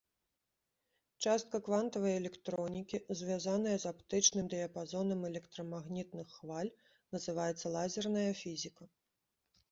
Частка квантавай электронікі, звязаная з аптычным дыяпазонам электрамагнітных хваль, называецца лазерная фізіка.